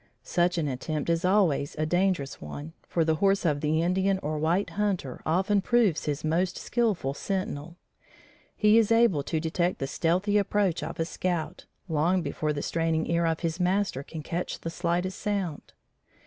Such an attempt is always a dangerous one, for the horse of the Indian or white hunter often proves his most skilful sentinel. He is able to detect the stealthy approach of a scout, long before the straining ear of his master can catch the slightest sound.